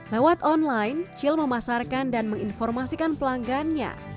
lewat online cil memasarkan dan menginformasikan pelanggannya